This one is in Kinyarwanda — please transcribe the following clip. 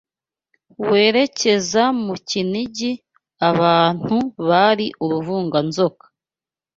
werekeza mu Kinigi abantu bari uruvunganzoka